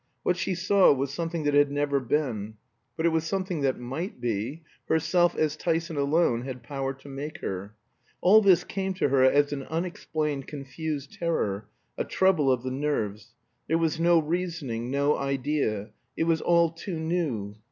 What she saw was something that had never been. But it was something that might be herself, as Tyson alone had power to make her. All this came to her as an unexplained, confused terror, a trouble of the nerves; there was no reasoning, no idea; it was all too new.